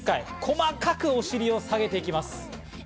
細かくお尻を下げていきます。